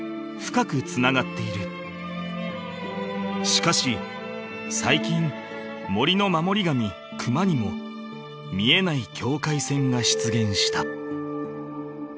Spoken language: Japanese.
［しかし最近森の守り神クマにも見えない境界線が出現した］